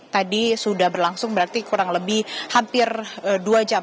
tadi sudah berlangsung berarti kurang lebih hampir dua jam